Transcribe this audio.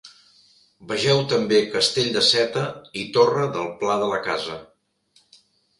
Vegeu també castell de Seta i Torre del Pla de la Casa.